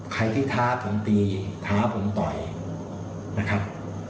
ใครที่ท้าผมตีท้าผมต่อยนะครับ